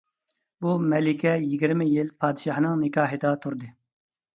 بۇ مەلىكە يىگىرمە يىل پادىشاھنىڭ نىكاھىدا تۇردى.